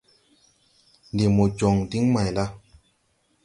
Ndi mo jɔŋ diŋ mayla ?